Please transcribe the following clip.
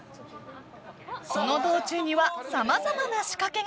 その道中にはさまざまな仕掛けが。